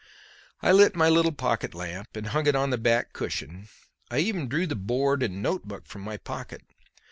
I lit my little pocket lamp and hung it on the back cushion. I even drew the board and notebook from my pocket.